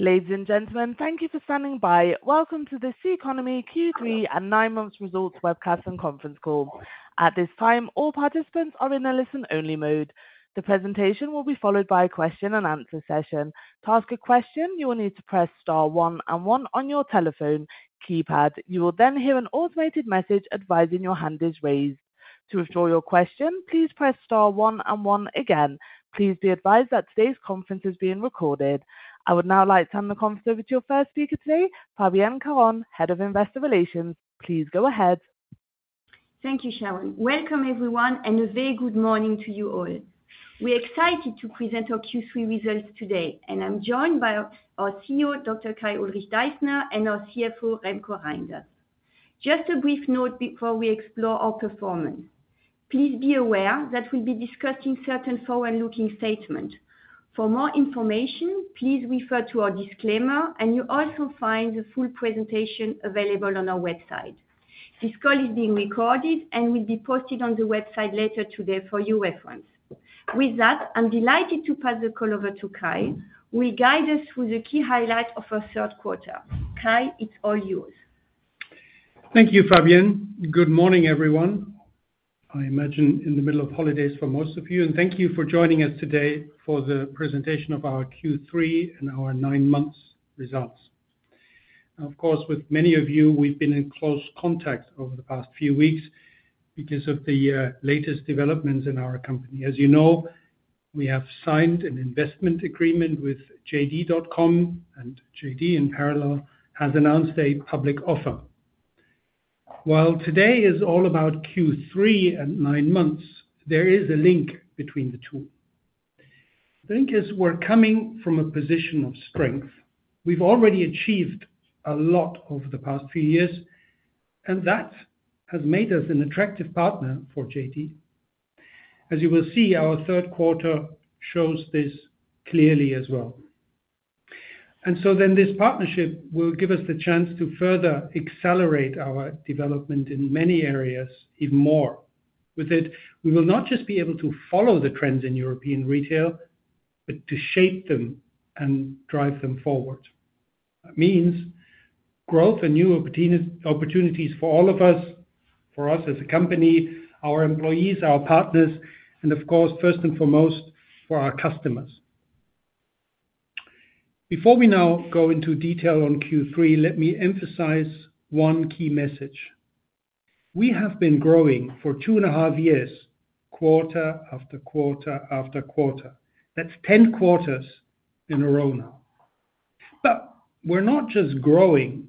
Ladies and gentlemen, thank you for standing by. Welcome to the Ceconomy Q3 and 9-month results webcast and conference call. At this time, all participants are in a listen-only mode. The presentation will be followed by a question and answer session. To ask a question, you will need to press star one and one on your telephone keypad. You will then hear an automated message advising your hand is raised. To withdraw your question, please press star one and one again. Please be advised that today's conference is being recorded. I would now like to hand the conference over to our first speaker today, Fabienne Caron, Head of Investor Relations. Please go ahead. Thank you, Sharon. Welcome, everyone, and a very good morning to you all. We're excited to present our Q3 results today, and I'm joined by our CEO, Dr. Kai-Ulrich Deissner, and our CFO, Remko Rijnders. Just a brief note before we explore our performance. Please be aware that we'll be discussing certain forward-looking statements. For more information, please refer to our disclaimer, and you'll also find the full presentation available on our website. This call is being recorded and will be posted on the website later today for your reference. With that, I'm delighted to pass the call over to Kai, who will guide us through the key highlights of our third quarter. Kai, it's all yours. Thank you, Fabienne. Good morning, everyone. I imagine in the middle of holidays for most of you, and thank you for joining us today for the presentation of our Q3 and our nine-month results. Now, of course, with many of you, we've been in close contact over the past few weeks because of the latest developments in our company. As you know, we have signed an investment agreement with JD.com, and JD, in parallel, has announced a public offer. While today is all about Q3 and nine months, there is a link between the two. The link is we're coming from a position of strength. We've already achieved a lot over the past few years, and that has made us an attractive partner for JD. As you will see, our third quarter shows this clearly as well. This partnership will give us the chance to further accelerate our development in many areas, even more. With it, we will not just be able to follow the trends in European retail, but to shape them and drive them forward. It means growth and new opportunities for all of us, for us as a company, our employees, our partners, and of course, first and foremost, for our customers. Before we now go into detail on Q3, let me emphasize one key message. We have been growing for two and a half years, quarter after quarter after quarter. That's 10 quarters in a row now. We're not just growing.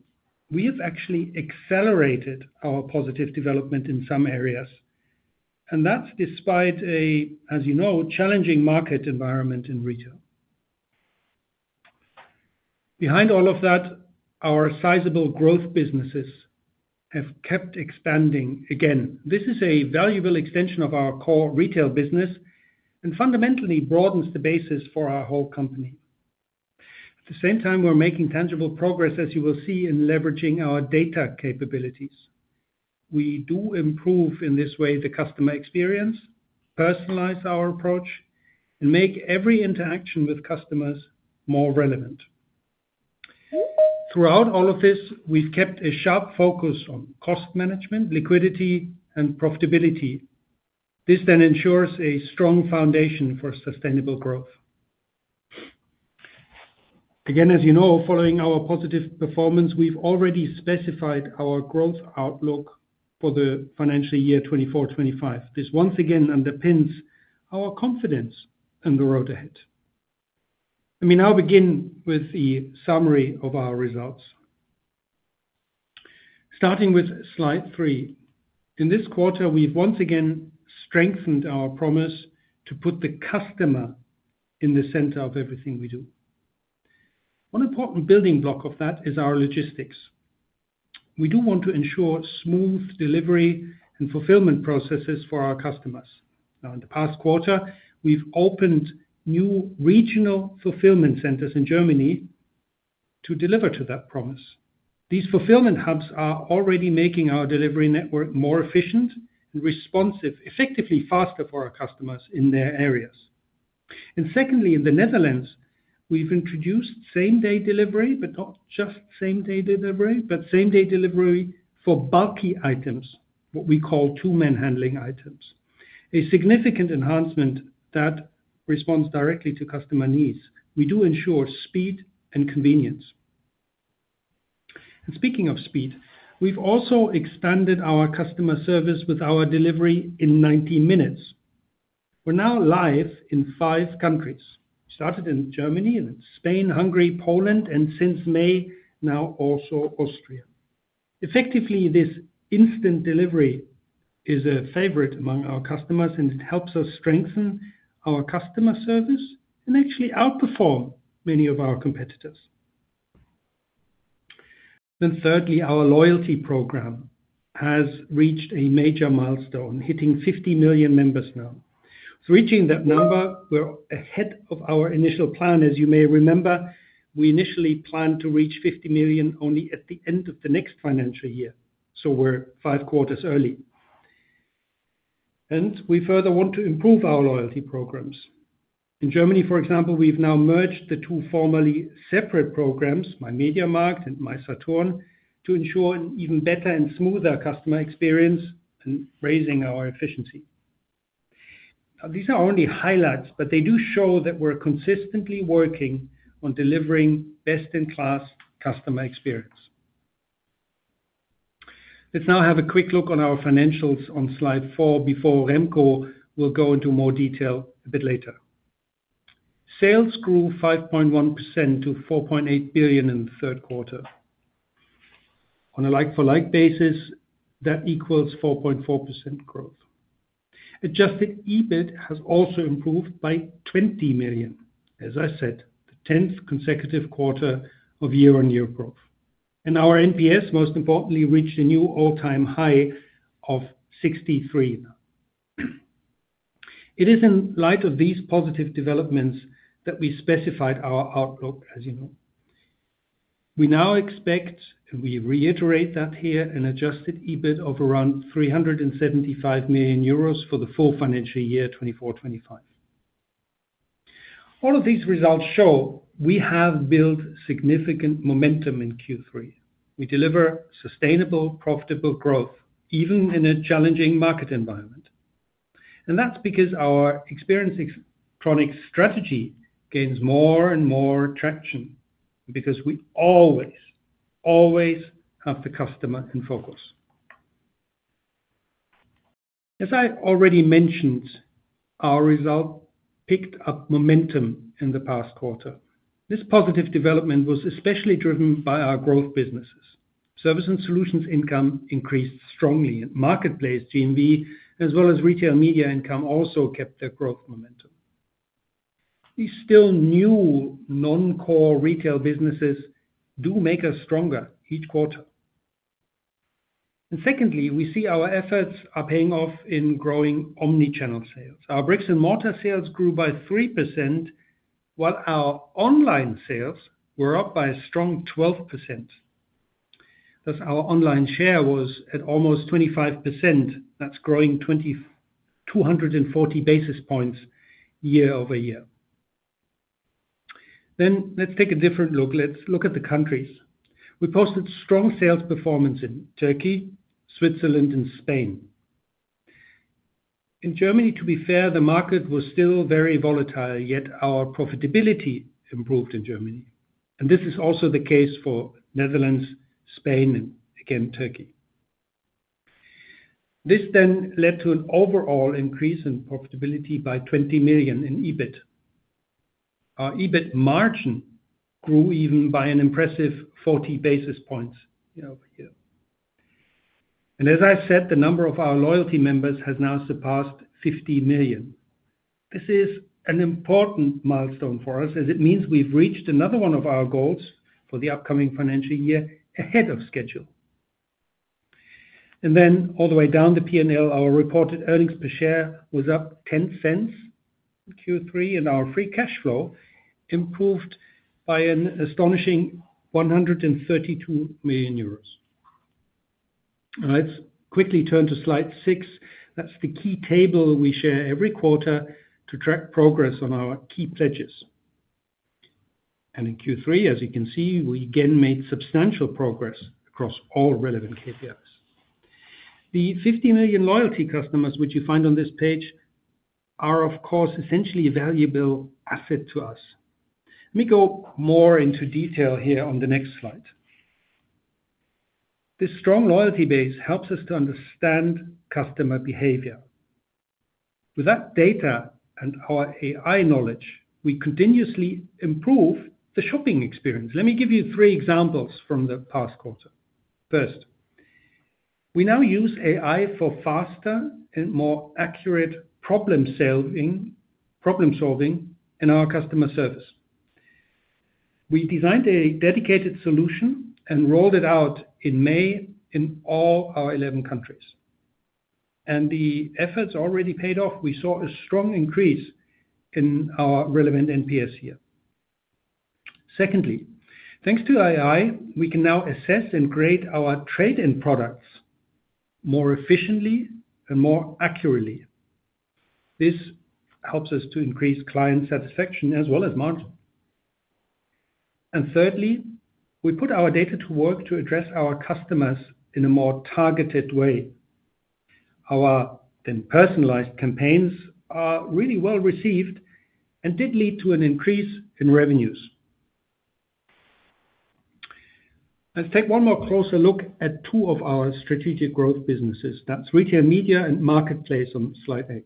We have actually accelerated our positive development in some areas, and that's despite a, as you know, challenging market environment in retail. Behind all of that, our sizable growth businesses have kept expanding again. This is a valuable extension of our core retail business and fundamentally broadens the basis for our whole company. At the same time, we're making tangible progress, as you will see, in leveraging our data capabilities. We do improve in this way the customer experience, personalize our approach, and make every interaction with customers more relevant. Throughout all of this, we've kept a sharp focus on cost management, liquidity, and profitability. This then ensures a strong foundation for sustainable growth. Again, as you know, following our positive performance, we've already specified our growth outlook for the financial year 2024-2025. This once again underpins our confidence in the road ahead. Let me now begin with the summary of our results. Starting with slide three, in this quarter, we've once again strengthened our promise to put the customer in the center of everything we do. One important building block of that is our logistics. We do want to ensure smooth delivery and fulfillment processes for our customers. In the past quarter, we've opened new regional fulfillment centers in Germany to deliver to that promise. These fulfillment hubs are already making our delivery network more efficient and responsive, effectively faster for our customers in their areas. In the Netherlands, we've introduced same-day delivery, but not just same-day delivery, same-day delivery for bulky items, what we call two-man handling items. A significant enhancement that responds directly to customer needs. We do ensure speed and convenience. Speaking of speed, we've also expanded our customer service with our delivery in 90 minutes. We're now live in five countries. We started in Germany, and in Spain, Hungary, Poland, and since May, now also Austria. Effectively, this instant delivery is a favorite among our customers, and it helps us strengthen our customer service and actually outperform many of our competitors. Our loyalty program has reached a major milestone, hitting 50 million members now. Reaching that number, we're ahead of our initial plan. As you may remember, we initially planned to reach 50 million only at the end of the next financial year. We're five quarters early. We further want to improve our loyalty programs. In Germany, for example, we've now merged the two formerly separate programs, My MediaMarkt and My Saturn, to ensure an even better and smoother customer experience and raising our efficiency. These are only highlights, but they do show that we're consistently working on delivering best-in-class customer experience. Let's now have a quick look on our financials on slide four before Remko will go into more detail a bit later. Sales grew 5.1% to 4.8 billion in the third quarter. On a like-for-like basis, that equals 4.4% growth. Adjusted EBIT has also improved by 20 million. As I said, the 10th consecutive quarter of year-on-year growth. Our NPS, most importantly, reached a new all-time high of 63. It is in light of these positive developments that we specified our outlook, as you know. We now expect, and we reiterate that here, an adjusted EBIT of around 375 million euros for the full financial year 2024-2025. All of these results show we have built significant momentum in Q3. We deliver sustainable, profitable growth, even in a challenging market environment. That is because our experience in electronics strategy gains more and more traction because we always, always have the customer in focus. As I already mentioned, our result picked up momentum in the past quarter. This positive development was especially driven by our growth businesses. Services & solutions income increased strongly, and marketplace GMV as well as retail media income also kept their growth momentum. These still new non-core retail businesses do make us stronger each quarter. Secondly, we see our efforts are paying off in growing omnichannel sales. Our bricks and mortar sales grew by 3%, while our online sales were up by a strong 12%. Thus, our online share was at almost 25%, growing 240 basis points year-over-year. Let us take a different look. Let us look at the countries. We posted strong sales performance in Turkey, Switzerland, and Spain. In Germany, to be fair, the market was still very volatile, yet our profitability improved in Germany. This is also the case for the Netherlands, Spain, and again, Turkey. This led to an overall increase in profitability by 20 million in EBIT. Our EBIT margin grew even by an impressive 40 basis points. As I said, the number of our loyalty members has now surpassed 50 million. This is an important milestone for us, as it means we've reached another one of our goals for the upcoming financial year ahead of schedule. All the way down the P&L, our reported earnings per share was up 0.10 in Q3, and our free cash flow improved by an astonishing 132 million euros. Now let us quickly turn to slide six. That is the key table we share every quarter to track progress on our key pledges. In Q3, as you can see, we again made substantial progress across all relevant KPIs. The 50 million loyalty customers, which you find on this page, are, of course, essentially a valuable asset to us. Let me go more into detail here on the next slide. This strong loyalty base helps us to understand customer behavior. With that data and our AI knowledge, we continuously improve the shopping experience. Let me give you three examples from the past quarter. First, we now use AI for faster and more accurate problem-solving in our customer service. We designed a dedicated solution and rolled it out in May in all our 11 countries. The efforts already paid off. We saw a strong increase in our relevant NPS here. Secondly, thanks to AI, we can now assess and grade our trade-in products more efficiently and more accurately. This helps us to increase client satisfaction as well as margin. Thirdly, we put our data to work to address our customers in a more targeted way. Our personalized campaigns are really well received and did lead to an increase in revenues. Let's take one more closer look at two of our strategic growth businesses. That's retail media and marketplace on slide eight.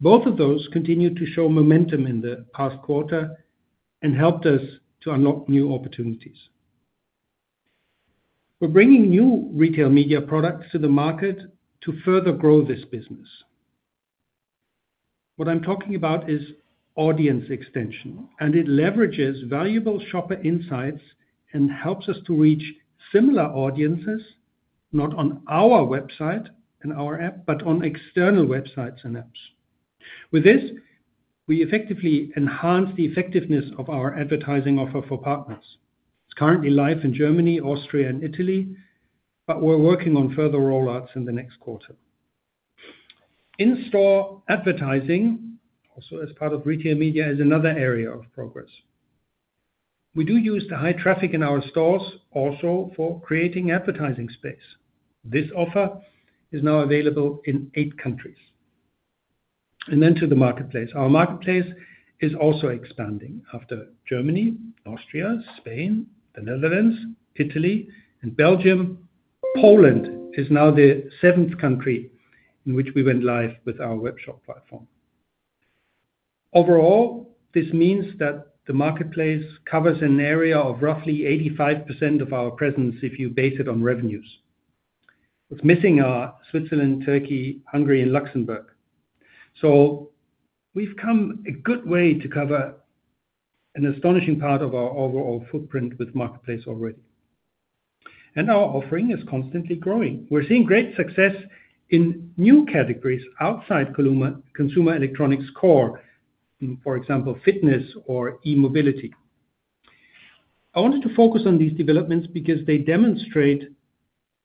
Both of those continue to show momentum in the past quarter and helped us to unlock new opportunities. We're bringing new retail media products to the market to further grow this business. What I'm talking about is audience extension, and it leverages valuable shopper insights and helps us to reach similar audiences, not on our website and our app, but on external websites and apps. With this, we effectively enhance the effectiveness of our advertising offer for partners, currently live in Germany, Austria, and Italy. We're working on further rollouts in the next quarter. In-store advertising, also as part of retail media, is another area of progress. We do use the high traffic in our stores also for creating advertising space. This offer is now available in eight countries. To the marketplace, our marketplace is also expanding after Germany, Austria, Spain, the Netherlands, Italy, and Belgium. Poland is now the seventh country in which we went live with our webshop platform. Overall, this means that the marketplace covers an area of roughly 85% of our presence if you base it on revenues. What's missing are Switzerland, Turkey, Hungary, and Luxembourg. We've come a good way to cover an astonishing part of our overall footprint with marketplace already, and our offering is constantly growing. We're seeing great success in new categories outside consumer electronics core, for example, fitness or e-mobility. I wanted to focus on these developments because they demonstrate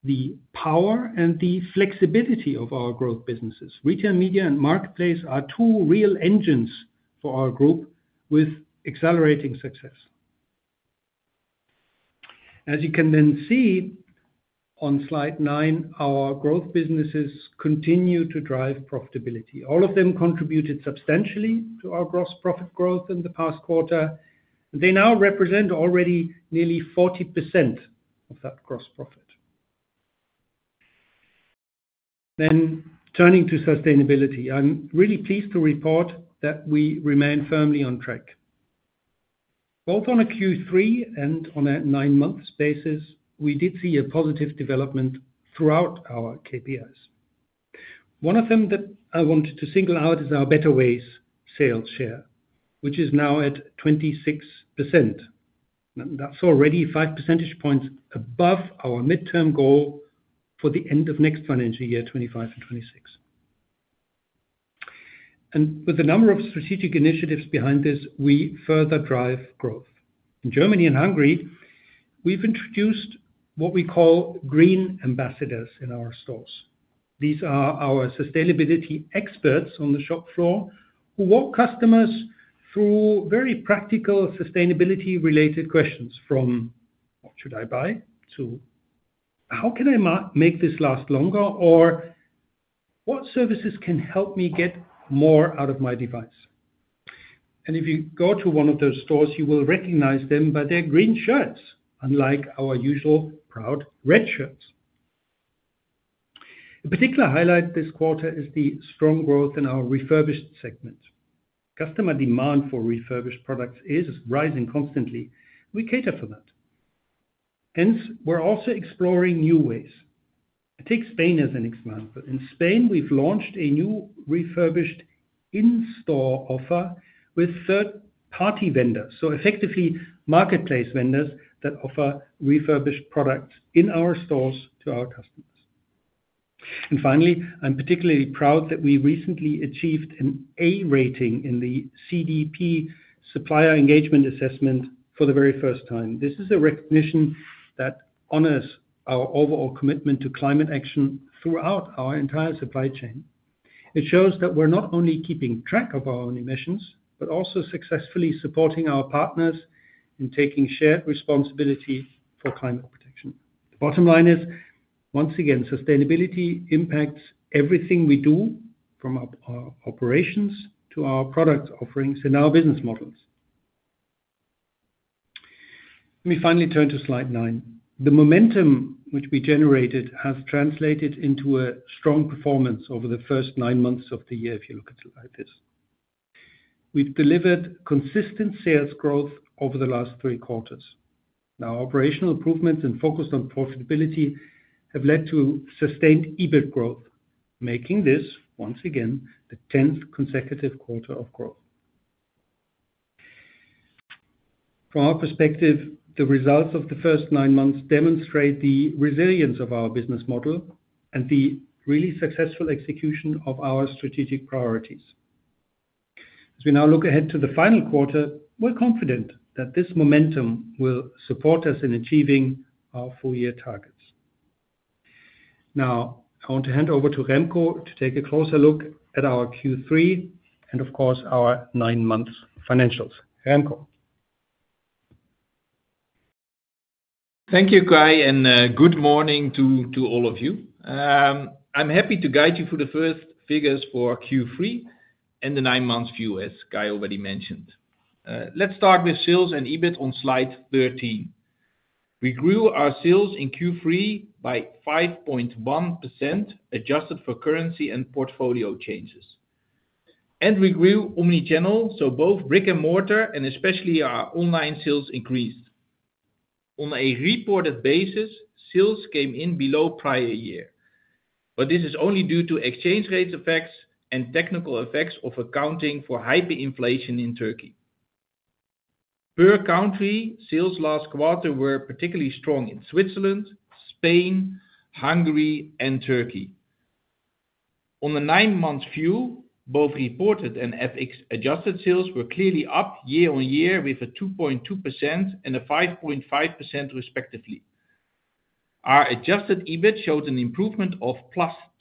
the power and the flexibility of our growth businesses. Retail media and marketplace are two real engines for our group with accelerating success. As you can then see on slide nine, our growth businesses continue to drive profitability. All of them contributed substantially to our gross profit growth in the past quarter, and they now represent already nearly 40% of that gross profit. Turning to sustainability, I'm really pleased to report that we remain firmly on track. Both on a Q3 and on a nine-month basis, we did see a positive development throughout our KPIs. One of them that I wanted to single out is our “Better Ways” sales share, which is now at 26%. That's already five percentage points above our midterm goal for the end of next financial year 2025 and 2026. With a number of strategic initiatives behind this, we further drive growth. In Germany and Hungary, we've introduced what we call green ambassadors in our stores. These are our sustainability experts on the shop floor who walk customers through very practical sustainability-related questions from "What should I buy?" to "How can I make this last longer?" or "What services can help me get more out of my device?" If you go to one of those stores, you will recognize them by their green shirts, unlike our usual, proud red shirts. A particular highlight this quarter is the strong growth in our refurbished segment. Customer demand for refurbished products is rising constantly. We cater for that. Hence, we're also exploring new ways. I take Spain as an example. In Spain, we've launched a new refurbished in-store offer with third-party vendors, so effectively marketplace vendors that offer refurbished products in our stores to our customers. Finally, I'm particularly proud that we recently achieved an A rating in the CDP Supplier Engagement Assessment for the very first time. This is a recognition that honors our overall commitment to climate action throughout our entire supply chain. It shows that we're not only keeping track of our own emissions, but also successfully supporting our partners in taking shared responsibility for climate protection. Bottom line is, once again, sustainability impacts everything we do, from our operations to our product offerings and our business models. Let me finally turn to slide nine. The momentum which we generated has translated into a strong performance over the first nine months of the year, if you look at it like this. We've delivered consistent sales growth over the last three quarters. Now, operational improvements and focus on profitability have led to sustained EBIT growth, making this, once again, the 10th consecutive quarter of growth. From our perspective, the results of the first nine months demonstrate the resilience of our business model and the really successful execution of our strategic priorities. As we now look ahead to the final quarter, we're confident that this momentum will support us in achieving our full-year targets. Now, I want to hand over to Remko to take a closer look at our Q3 and, of course, our nine-month financials. Remko. Thank you, Kai, and good morning to all of you. I'm happy to guide you through the first figures for Q3 and the nine-month view, as Kai already mentioned. Let's start with sales and EBIT on slide 13. We grew our sales in Q3 by 5.1%, adjusted for currency and portfolio changes. We grew omnichannel, so both brick and mortar and especially our online sales increased. On a reported basis, sales came in below prior year, but this is only due to exchange rate effects and technical effects of accounting for hyperinflation in Turkey. Per country, sales last quarter were particularly strong in Switzerland, Spain, Hungary, and Turkey. On the nine-month view, both reported and adjusted sales were clearly up year on year with 2.2% and 5.5% respectively. Our adjusted EBIT showed an improvement of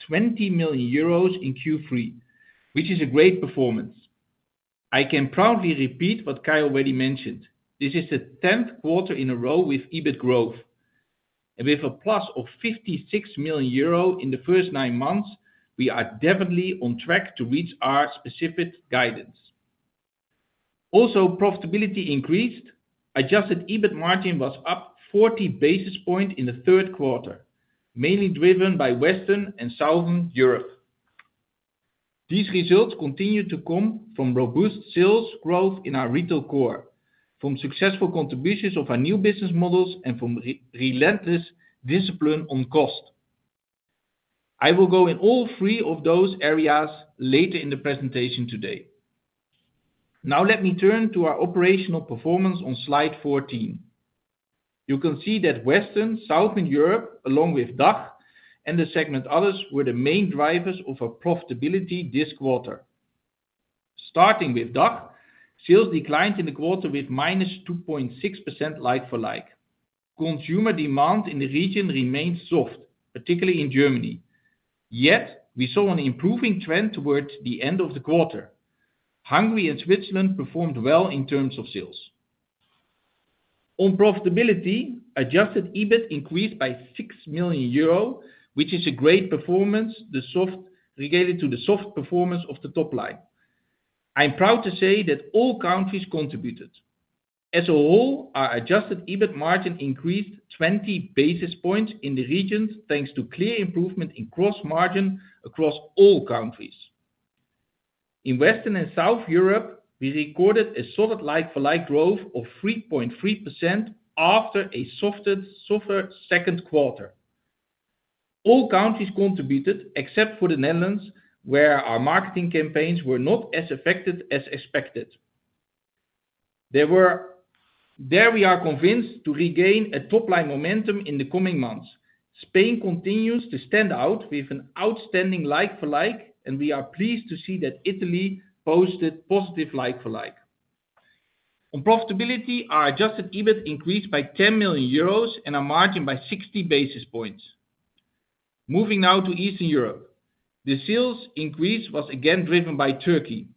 20 million euros in Q3, which is a great performance. I can proudly repeat what Kai already mentioned. This is the 10th quarter in a row with EBIT growth. With a plus of 56 million euro in the first nine months, we are definitely on track to reach our specific guidance. Also, profitability increased. Adjusted EBIT margin was up 40 basis points in the third quarter, mainly driven by Western and Southern Europe. These results continue to come from robust sales growth in our retail core, from successful contributions of our new business models, and from relentless discipline on cost. I will go in all three of those areas later in the presentation today. Now, let me turn to our operational performance on slide 14. You can see that Western, Southern Europe, along with DACH, and the segment others were the main drivers of our profitability this quarter. Starting with DACH, sales declined in the quarter with -2.6% like for like. Consumer demand in the region remains soft, particularly in Germany. Yet, we saw an improving trend towards the end of the quarter. Hungary and Switzerland performed well in terms of sales. On profitability, adjusted EBIT increased by 6 million euro, which is a great performance related to the soft performance of the top line. I'm proud to say that all countries contributed. As a whole, our adjusted EBIT margin increased 20 basis points in the regions, thanks to clear improvement in gross margin across all countries. In Western and Southern Europe, we recorded a solid like-for-like growth of 3.3% after a softer second quarter. All countries contributed, except for the Netherlands, where our marketing campaigns were not as effective as expected. There we are convinced to regain a top-line momentum in the coming months. Spain continues to stand out with an outstanding like-for-like, and we are pleased to see that Italy posted positive like-for-like. On profitability, our adjusted EBIT increased by 10 million euros and our margin by 60 basis points. Moving now to Eastern Europe, the sales increase was again driven by Turkey.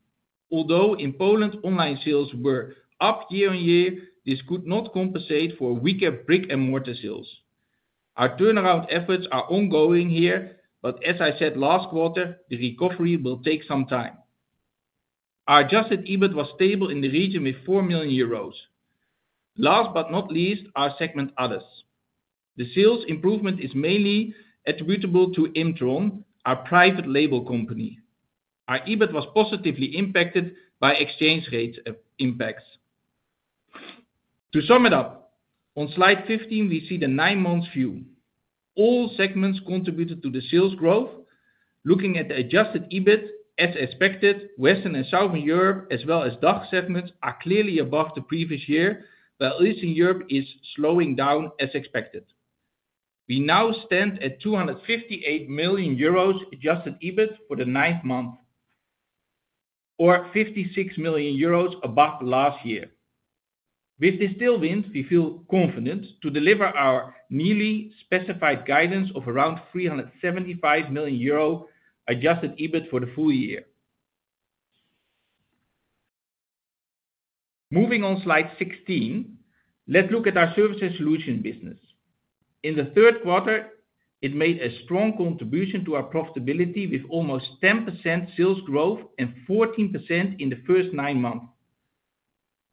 Although in Poland, online sales were up year on year, this could not compensate for weaker brick and mortar sales. Our turnaround efforts are ongoing here, but as I said last quarter, the recovery will take some time. Our adjusted EBIT was stable in the region with 4 million euros. Last but not least, our segment Others. The sales improvement is mainly attributable to Imtron, our private label company. Our EBIT was positively impacted by exchange rates impacts. To sum it up, on slide 15, we see the nine-month view. All segments contributed to the sales growth. Looking at the adjusted EBIT, as expected, Western and Southern Europe, as well as DACH segments, are clearly above the previous year, while Eastern Europe is slowing down as expected. We now stand at 258 million euros adjusted EBIT for the ninth month, or 56 million euros above last year. With this still win, we feel confident to deliver our newly specified guidance of around 375 million euro adjusted EBIT for the full year. Moving on slide 16, let's look at our services & solutions business. In the third quarter, it made a strong contribution to our profitability with almost 10% sales growth and 14% in the first nine months.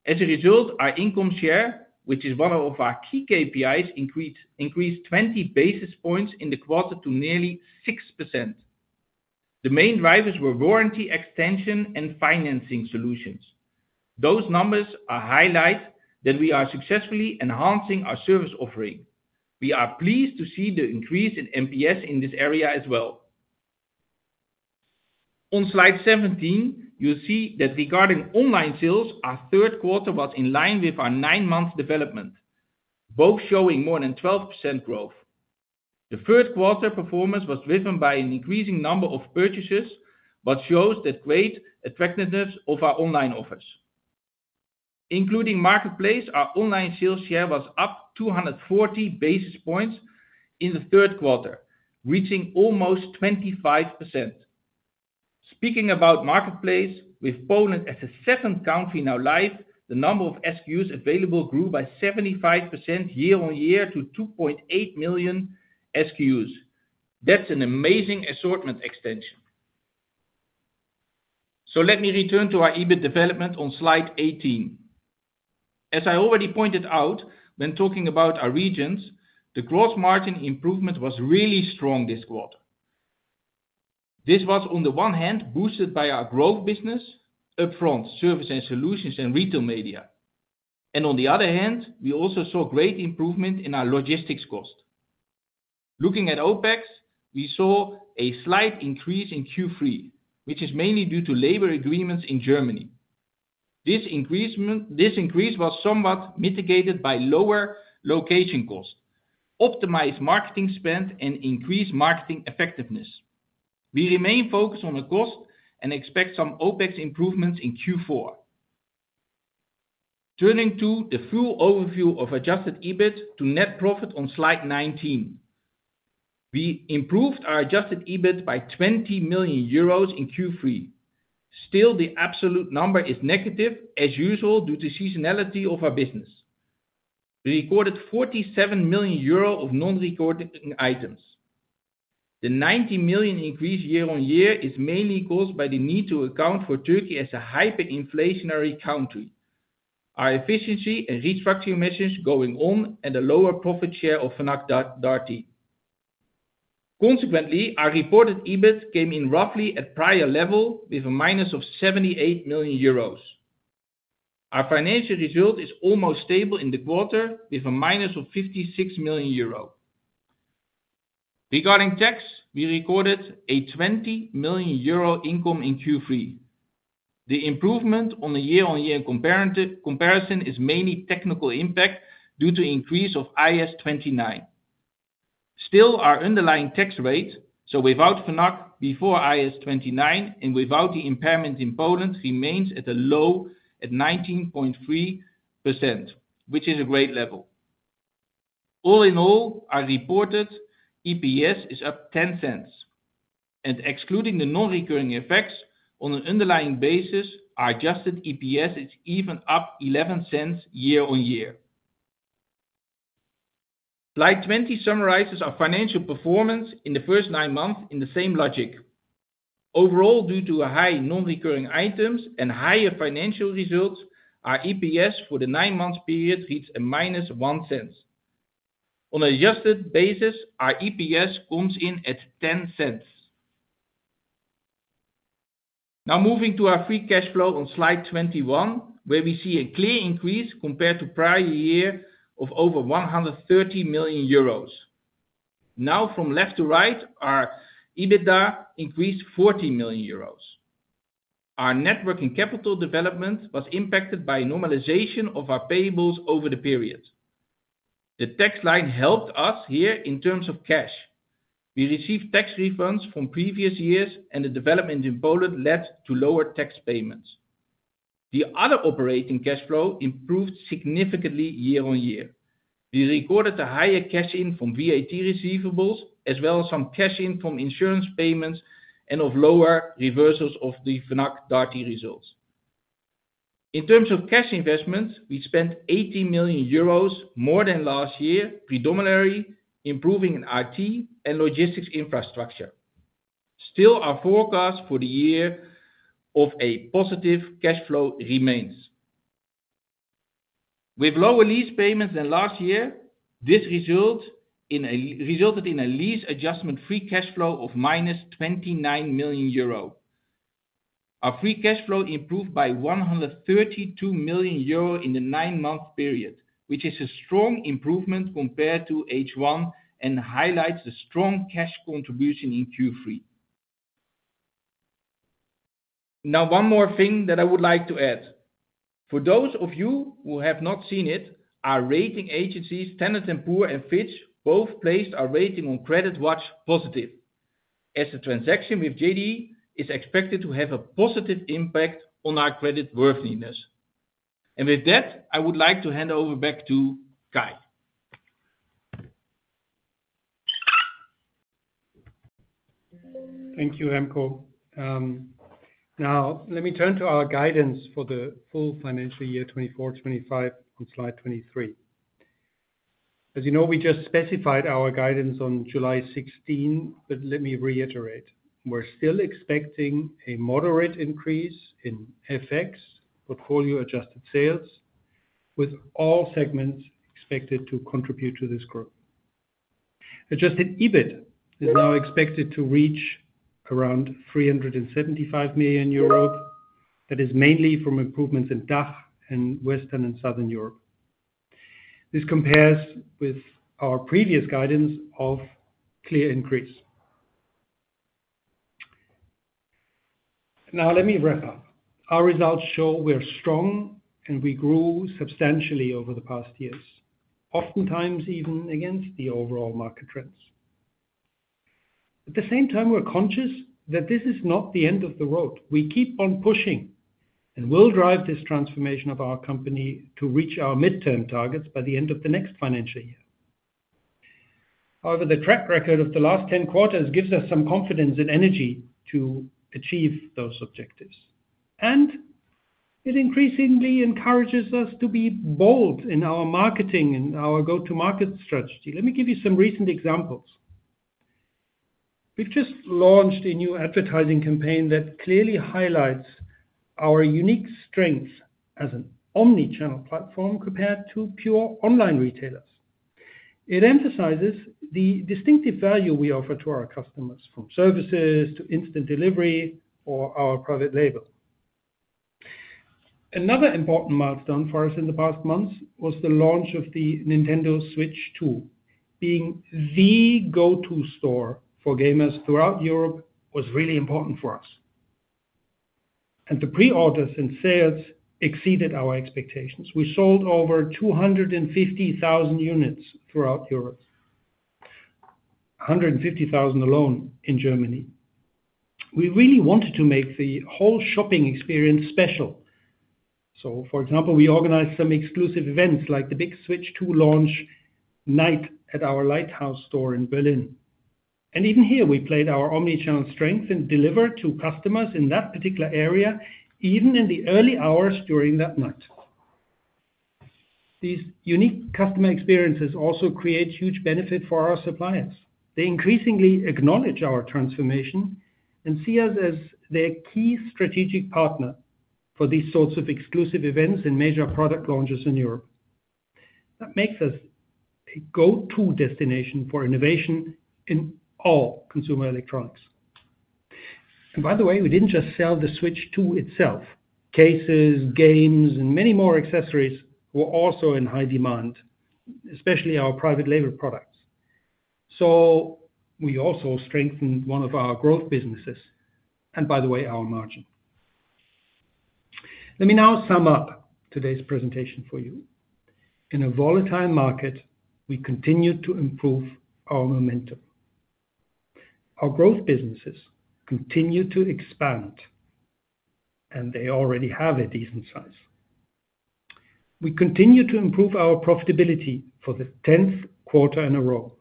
As a result, our income share, which is one of our key KPIs, increased 20 basis points in the quarter to nearly 6%. The main drivers were warranty extension and financing solutions. Those numbers highlight that we are successfully enhancing our service offering. We are pleased to see the increase in NPS in this area as well. On slide 17, you'll see that regarding online sales, our third quarter was in line with our nine-month development, both showing more than 12% growth. The third quarter performance was driven by an increasing number of purchases, but shows the great attractiveness of our online offers. Including marketplace, our online sales share was up 240 basis points in the third quarter, reaching almost 25%. Speaking about marketplace, with Poland as the seventh country now live, the number of SKUs available grew by 75% yea- on-year to 2.8 million SKUs. That's an amazing assortment extension. Let me return to our EBIT development on slide 18. As I already pointed out, when talking about our regions, the gross margin improvement was really strong this quarter. This was, on the one hand, boosted by our growth business, upfront services & solutions, and retail media. On the other hand, we also saw great improvement in our logistics cost. Looking at OpEx, we saw a slight increase in Q3, which is mainly due to labor agreements in Germany. This increase was somewhat mitigated by lower location costs, optimized marketing spend, and increased marketing effectiveness. We remain focused on the cost and expect some OpEx improvements in Q4. Turning to the full overview of adjusted EBIT to net profit on slide 19, we improved our adjusted EBIT by 20 million euros in Q3. Still, the absolute number is negative, as usual, due to the seasonality of our business. We recorded 47 million euro of non-recurring items. The 90 million increase year on year is mainly caused by the need to account for Turkey as a hyperinflationary country, our efficiency and restructuring measures going on, and the lower profit share of Fnac Darty. Consequently, our reported EBIT came in roughly at prior level with a minus of 78 million euros. Our financial result is almost stable in the quarter with a minus of 56 million euro. Regarding tax, we recorded a 20 million euro income in Q3. The improvement on the year-on-year comparison is mainly technical impact due to the increase of IAS-29. Still, our underlying tax rate, so without Fnac before IAS-29 and without the impairment in Poland, remains at a low at 19.3%, which is a great level. All in all, our reported EPS is up $0.10. Excluding the non-recurring effects, on an underlying basis, our adjusted EPS is even up $0.11 year-on-year. Slide 20 summarizes our financial performance in the first nine months in the same logic. Overall, due to high non-recurring items and higher financial results, our EPS for the nine-month period reached a -$0.01. On an adjusted basis, our EPS comes in at $0.10. Now moving to our free cash flow on slide 21, where we see a clear increase compared to prior year of over 130 million euros. Now, from left to right, our EBITDA increased 40 million euros. Our network and capital development was impacted by normalization of our payables over the period. The tax line helped us here in terms of cash. We received tax refunds from previous years, and the development in Poland led to lower tax payments. The other operating cash flow improved significantly year-on-year. We recorded a higher cash in from VAT receivables, as well as some cash in from insurance payments and of lower reversals of the Fnac Darty results. In terms of cash investments, we spent 80 million euros more than last year, predominantly improving in IT and logistics infrastructure. Still, our forecast for the year of a positive cash flow remains. With lower lease payments than last year, this resulted in a lease adjustment free cash flow of minus 29 million euro. Our free cash flow improved by 132 million euro in the nine-month period, which is a strong improvement compared to H1 and highlights a strong cash contribution in Q3. Now, one more thing that I would like to add. For those of you who have not seen it, our rating agencies, Standard & Poor's and Fitch, both placed our rating on CreditWatch positive, as the transaction with JD.com is expected to have a positive impact on our creditworthiness. With that, I would like to hand over back to Kai. Thank you, Remko. Now, let me turn to our guidance for the full financial year 2024-2025 on slide 23. As you know, we just specified our guidance on July 16, but let me reiterate. We're still expecting a moderate increase in FX, what we call your adjusted sales, with all segments expected to contribute to this growth. Adjusted EBIT is now expected to reach around 375 million euros. That is mainly from improvements in DACH and Western and Southern Europe. This compares with our previous guidance of clear increase. Now, let me wrap up. Our results show we're strong and we grew substantially over the past years, oftentimes even against the overall market trends. At the same time, we're conscious that this is not the end of the road. We keep on pushing and will drive this transformation of our company to reach our midterm targets by the end of the next financial year. However, the track record of the last 10 quarters gives us some confidence and energy to achieve those objectives. It increasingly encourages us to be bold in our marketing and our go-to-market strategy. Let me give you some recent examples. We've just launched a new advertising campaign that clearly highlights our unique strengths as an omnichannel platform compared to pure online retailers. It emphasizes the distinctive value we offer to our customers, from services to instant delivery or our private label. Another important milestone for us in the past months was the launch of the Nintendo Switch 2. Being the go-to store for gamers throughout Europe was really important for us. The pre-orders and sales exceeded our expectations. We sold over 250,000 units throughout Europe, 150,000 alone in Germany. We really wanted to make the whole shopping experience special. For example, we organized some exclusive events like the big Switch 2 launch night at our Lighthouse store in Berlin. Even here, we played our omnichannel strength and delivered to customers in that particular area, even in the early hours during that night. These unique customer experiences also create huge benefits for our suppliers. They increasingly acknowledge our transformation and see us as their key strategic partner for these sorts of exclusive events and major product launches in Europe. That makes us a go-to destination for innovation in all consumer electronics. By the way, we didn't just sell the Switch 2 itself. Cases, games, and many more accessories were also in high demand, especially our private label products. We also strengthened one of our growth businesses, and by the way, our margin. Let me now sum up today's presentation for you. In a volatile market, we continue to improve our momentum. Our growth businesses continue to expand, and they already have a decent size. We continue to improve our profitability for the 10th quarter in a row.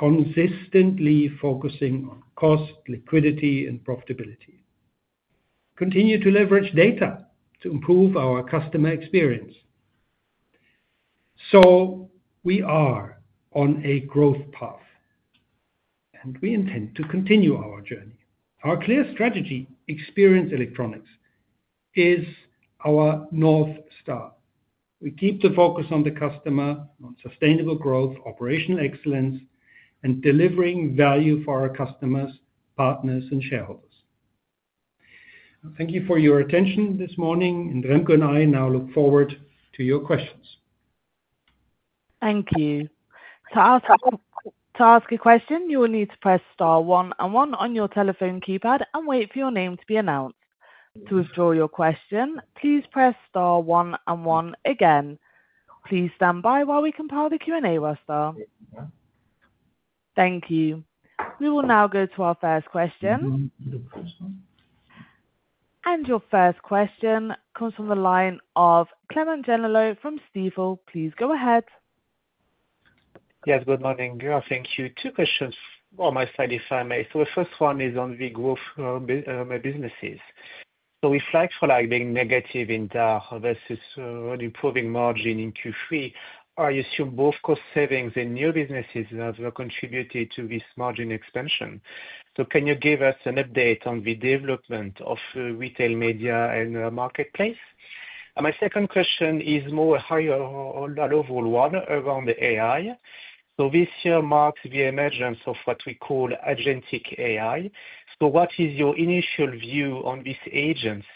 We're consistently focusing on cost, liquidity, and profitability. We continue to leverage data to improve our customer experience. We are on a growth path, and we intend to continue our journey. Our clear strategy, experienced electronics, is our North Star. We keep the focus on the customer, on sustainable growth, operational excellence, and delivering value for our customers, partners, and shareholders. Thank you for your attention this morning. Remko and I now look forward to your questions. Thank you. To ask a question, you will need to press star one and one on your telephone keypad and wait for your name to be announced. To withdraw your question, please press star one and one again. Please stand by while we compile the Q&A roster. Thank you. We will now go to our first question. Your first question comes from the line of Clément Gennelot from Stifel. Please go ahead. Yes, good morning. Thank you. Two questions on my slide, if I may. The first one is on the growth of my businesses. With flag for like being negative in DACH versus an improving margin in Q3, I assume both cost savings and new businesses have contributed to this margin expansion. Can you give us an update on the development of retail media and the marketplace? My second question is more higher or lower one around the AI. This year marks the emergence of what we call agentic AI. What is your initial view on these agents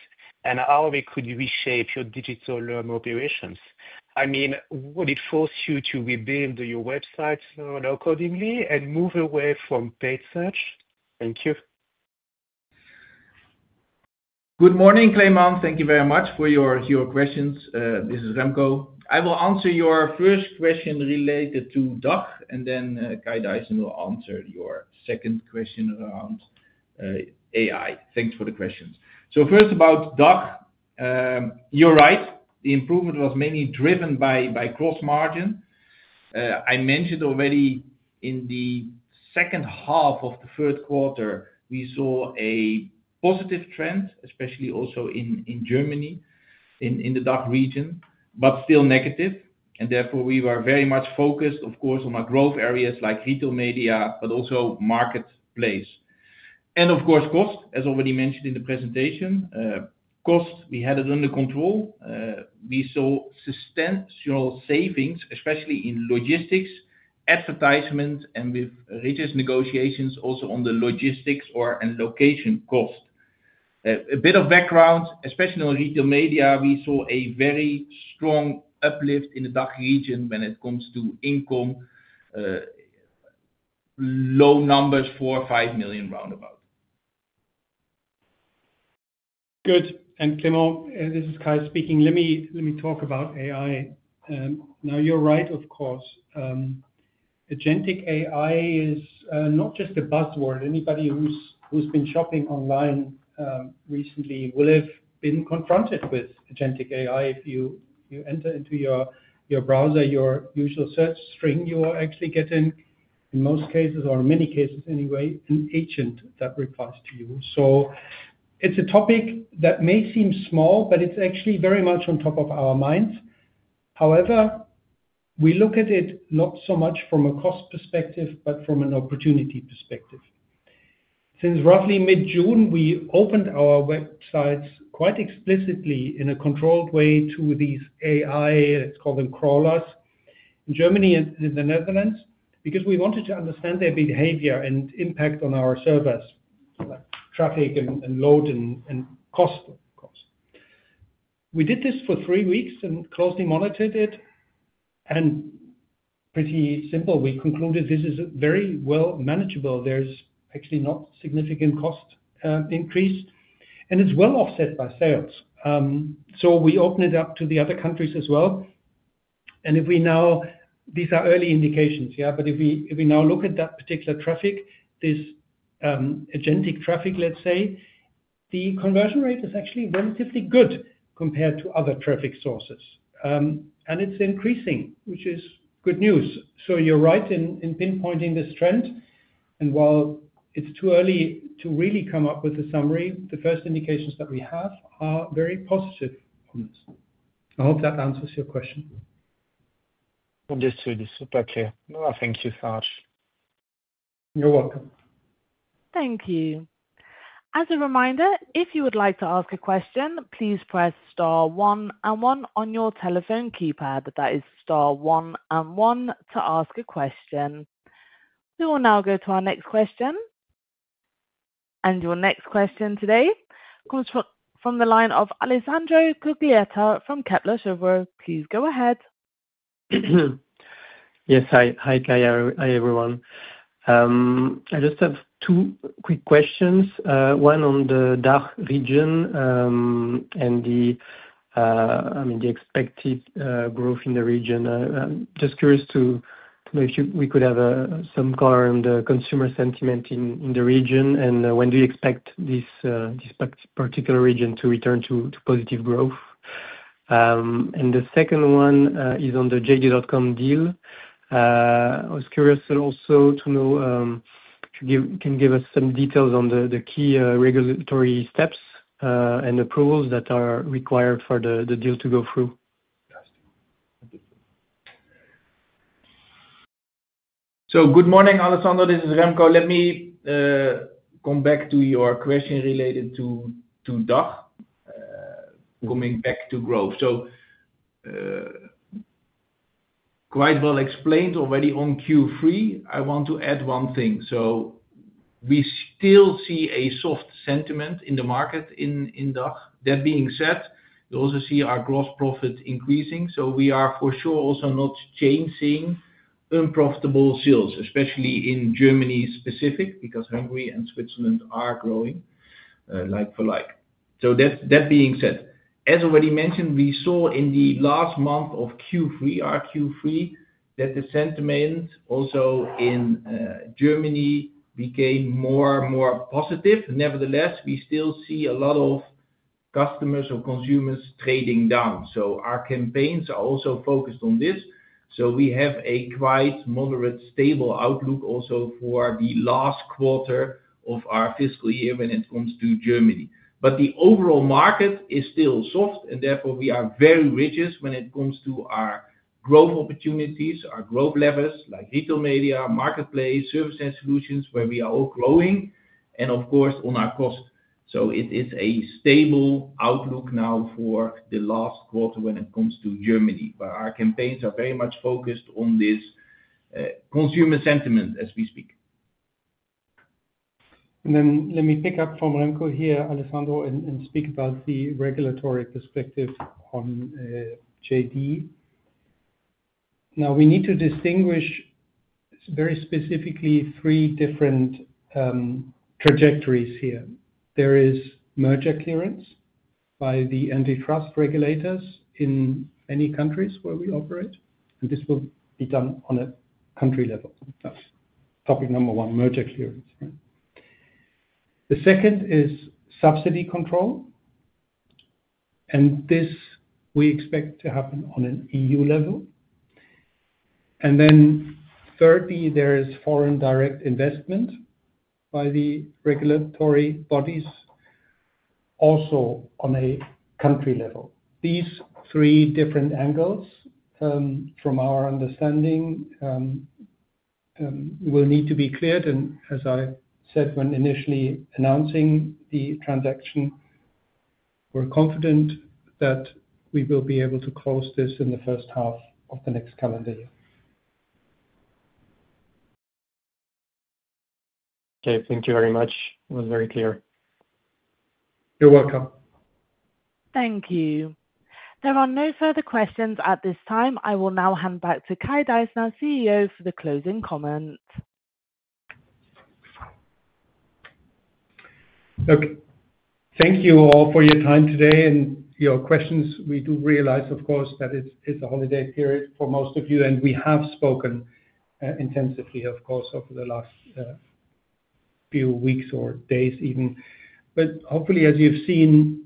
and how they could reshape your digital operations? Would it force you to rebuild your websites accordingly and move away from paid search? Thank you. Good morning, Clement. Thank you very much for your questions. This is Remko. I will answer your first question related to DACH, and then Kai-Ulrich Deissner will answer your second question around AI. Thank you for the questions. First, about DACH, you're right. The improvement was mainly driven by gross margin. I mentioned already in the second half of the third quarter, we saw a positive trend, especially also in Germany, in the DACH region, but still negative. Therefore, we were very much focused, of course, on our growth areas like retail media, but also marketplace. Of course, cost, as already mentioned in the presentation. Cost, we had it under control. We saw substantial savings, especially in logistics, advertisement, and with rigorous negotiations also on the logistics and location cost. A bit of background, especially on retail media, we saw a very strong uplift in the DACH region when it comes to income, low numbers, $4 million or $5 million roundabout. Good. Clement, this is Kai speaking. Let me talk about AI. You're right, of course. Agentic AI is not just a buzzword. Anybody who's been shopping online recently will have been confronted with agentic AI. If you enter into your browser, your usual search string, you are actually getting, in most cases, or in many cases anyway, an agent that requests you. It's a topic that may seem small, but it's actually very much on top of our minds. However, we look at it not so much from a cost perspective, but from an opportunity perspective. Since roughly mid-June, we opened our websites quite explicitly in a controlled way to these AI, let's call them crawlers, in Germany and in the Netherlands, because we wanted to understand their behavior and impact on our servers, like traffic and load and cost, of course. We did this for three weeks and closely monitored it. Pretty simple, we concluded this is very well manageable. There's actually not a significant cost increase, and it's well offset by sales. We opened it up to the other countries as well. These are early indications, but if we now look at that particular traffic, this agentic traffic, let's say, the conversion rate is actually relatively good compared to other traffic sources. It's increasing, which is good news. You're right in pinpointing this trend. While it's too early to really come up with a summary, the first indications that we have are very positive. I hope that answers your question. Understood. It's super clear. No, I thank you so much. You're welcome. Thank you. As a reminder, if you would like to ask a question, please press star one and one on your telephone keypad. That is star one and one to ask a question. We will now go to our next question. Your next question today comes from the line of Alessandro Cuglietta from Kepler Cheuvreux. Please go ahead. Yes. Hi, Kai. Hi, everyone. I just have two quick questions. One on the DACH region and the expected growth in the region. I'm just curious to know if we could have some color on the consumer sentiment in the region and when do you expect this particular region to return to positive growth? The second one is on the JD.com deal. I was curious also to know if you can give us some details on the key regulatory steps and approvals that are required for the deal to go through. Good morning, Alessandro. This is Remko. Let me come back to your question related to DACH, coming back to growth. Quite well explained already on Q3. I want to add one thing. We still see a soft sentiment in the market in DACH. That being said, we also see our gross profits increasing. We are for sure also not changing unprofitable sales, especially in Germany specific because Hungary and Switzerland are growing like for like. As already mentioned, we saw in the last month of Q3, our Q3, that the sentiment also in Germany became more and more positive. Nevertheless, we still see a lot of customers or consumers trading down. Our campaigns are also focused on this. We have a quite moderate, stable outlook also for the last quarter of our fiscal year when it comes to Germany. The overall market is still soft, and therefore, we are very rigid when it comes to our growth opportunities, our growth levers, like retail media, marketplace, services & solutions, where we are all growing, and of course, on our cost. It is a stable outlook now for the last quarter when it comes to Germany. Our campaigns are very much focused on this consumer sentiment as we speak. Let me pick up from Remko here, Alessandro, and speak about the regulatory perspectives on JD.com. We need to distinguish very specifically three different trajectories here. There is merger clearance by the antitrust regulators in any countries where we operate. This will be done on a country level. That's topic number one, merger clearance. The second is subsidy control, and this we expect to happen on an EU level. Thirdly, there is foreign direct investment by the regulatory bodies, also on a country level. These three different angles, from our understanding, will need to be cleared. As I said when initially announcing the transaction, we're confident that we will be able to close this in the first half of the next calendar year. Okay, thank you very much. It was very clear. You're welcome. Thank you. There are no further questions at this time. I will now hand back to Dr. Kai-Ulrich Deissner, CEO, for the closing comments. Thank you all for your time today and your questions. We do realize, of course, that it's a holiday period for most of you, and we have spoken intensively, of course, over the last few weeks or days even. Hopefully, as you've seen,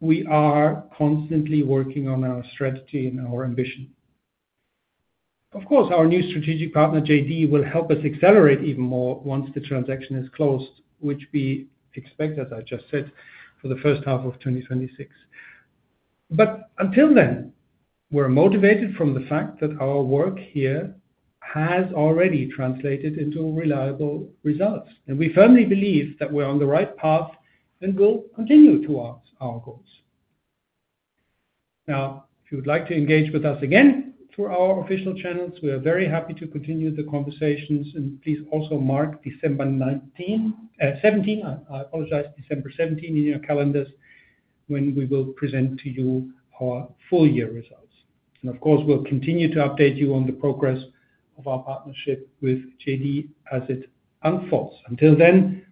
we are constantly working on our strategy and our ambition. Of course, our new strategic partner, JD.com, will help us accelerate even more once the transaction is closed, which we expect, as I just said, for the first half of 2026. Until then, we're motivated from the fact that our work here has already translated into reliable results. We firmly believe that we're on the right path and will continue towards our goals. If you would like to engage with us again through our official channels, we are very happy to continue the conversations. Please also mark December 17 in your calendars when we will present to you our full-year results. Of course, we'll continue to update you on the progress of our partnership with JD.com as it unfolds. Until then,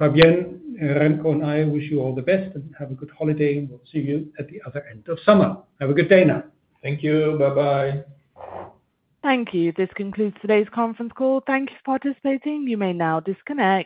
Fabienne, Remko, and I wish you all the best and have a good holiday, and we'll see you at the other end of summer. Have a good day now. Thank you. Bye-bye. Thank you. This concludes today's conference call. Thank you for participating. You may now disconnect.